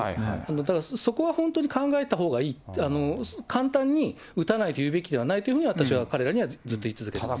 だからそこは本当に考えたほうがいい、簡単に撃たないというべきではないというふうに、私は彼らにはずっと言い続けてます。